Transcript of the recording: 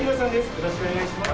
よろしくお願いします。